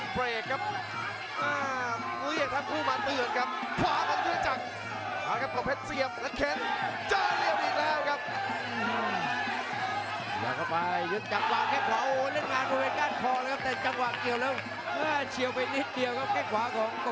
ประเภทมัยยังอย่างปักส่วนขวา